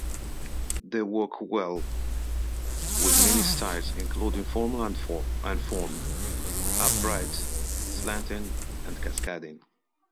They work well with many styles, including formal and informal upright, slanting, and cascading.